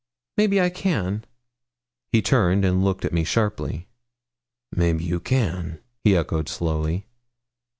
Maybe I can?' He turned, and looked at me sharply. 'Maybe you can,' he echoed slowly.